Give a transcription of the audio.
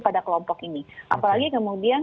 pada kelompok ini apalagi kemudian